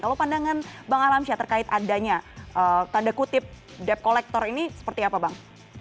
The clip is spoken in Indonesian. kalau pandangan bang alamsyah terkait adanya tanda kutip debt collector ini seperti apa bang